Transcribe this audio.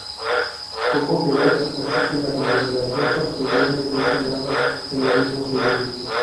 Poco quedó, así que la congregación construyó una iglesia nueva en el mismo sitio.